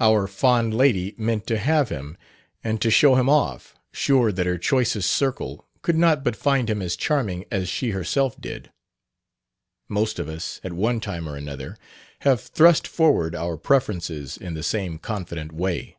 Our fond lady meant to have him and to show him off, sure that her choicest circle could not but find him as charming as she herself did. Most of us, at one time or another, have thrust forward our preferences in the same confident way.